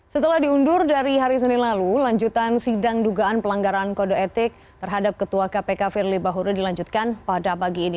setelah diundur dari hari senin lalu lanjutan sidang dugaan pelanggaran kode etik terhadap ketua kpk firly bahuri dilanjutkan pada pagi ini